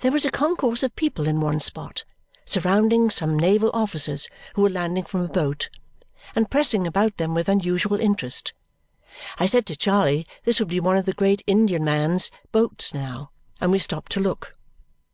There was a concourse of people in one spot, surrounding some naval officers who were landing from a boat, and pressing about them with unusual interest. I said to Charley this would be one of the great Indiaman's boats now, and we stopped to look.